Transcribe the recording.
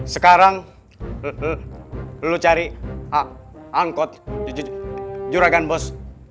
sekarang lu cari angkot juragan bos